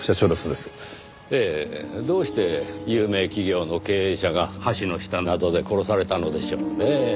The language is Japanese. ええどうして有名企業の経営者が橋の下などで殺されたのでしょうねぇ。